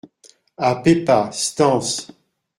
A Pépa, stances.